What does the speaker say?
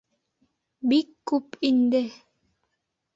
— Бик күп инде.